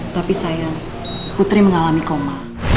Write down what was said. tapi sayang putri mengalami koma